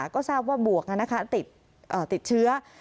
ก็ทราบว่าบวกติดเชื้อ